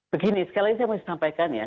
begini sekali lagi saya mau sampaikan ya